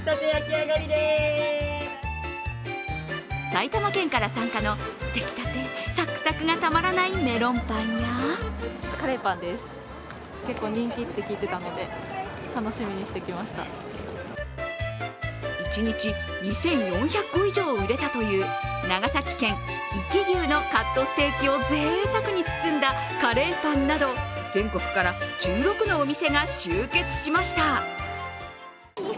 埼玉県から参加の出来たてサクサクがたまらないメロンパンや一日２４００個以上売れたという長崎県・壱岐牛のカットステーキをぜいたくに包んだカレーパンなど全国から１６のお店が集結しました。